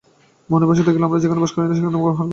মন বশে থাকিলে আমরা যেখানে বাস করি না কেন, উহা গুহার সমান।